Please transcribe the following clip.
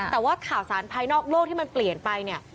แต่ว่าข่าวสารภายนอกโลกที่มันเปลี่ยนไปเนี่ย